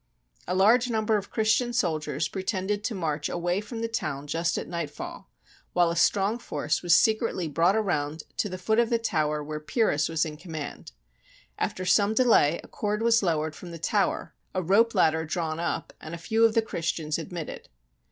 A large number of Christian soldiers pretended to march away from the town just at nightfall, while a strong force was secretly brought around to the foot of the tower where Pyrrhus was in com mand. After some delay, a cord was lowered from the tower, a rope ladder drawn up, and a few of the Christians admitted.